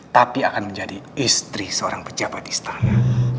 tapi akan menjadi istri seorang pejabat istana